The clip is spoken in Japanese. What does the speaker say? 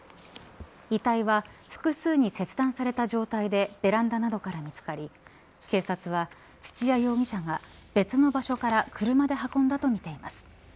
遺体は複数に切断された状態でベランダなどから見付かり警察は土屋容疑者が別の場所から車で運んだとみています。